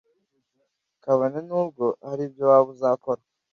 kabone nubwo hari ibyo waba uzakora